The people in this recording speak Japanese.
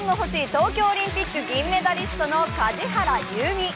東京オリンピック銀メダリストの梶原悠未。